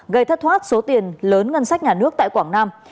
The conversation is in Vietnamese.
gây thất thoát số tiền lớn ngân sách nhà nước tại quảng nam